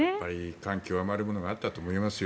感極まるものがあったと思いますよ。